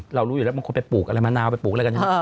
รู้อยู่แล้วบางคนไปปลูกอะไรมะนาวไปปลูกอะไรกันใช่ไหม